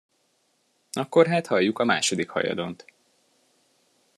Akkor hát halljuk a második hajadont.